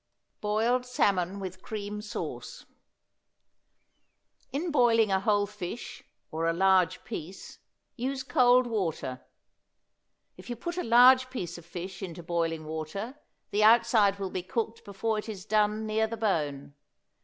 BOILED SALMON WITH CREAM SAUCE. In boiling a whole fish, or a large piece, use cold water. If you put a large piece of fish into boiling water, the outside will be cooked before it is done near the bone.